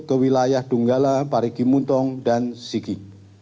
ke wilayah dunggala parikimuntong dan sigi